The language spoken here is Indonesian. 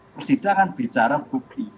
persidangan bicara bukti